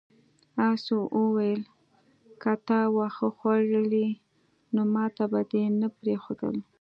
آس وویل که تا واښه خوړلی نو ماته به دې نه پریښودل.